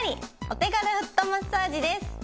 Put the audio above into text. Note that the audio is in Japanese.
お手軽フットマッサージです。